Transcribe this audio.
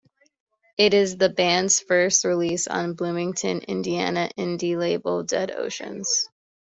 It is the band's first release on Bloomington, Indiana indie label Dead Oceans.